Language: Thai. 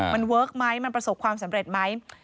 มันเวิร์คไหมมันประสบความสำเร็จไหม